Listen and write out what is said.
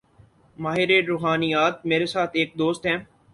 ماہر روحانیات: میرے ساتھ ایک دوست ہیں۔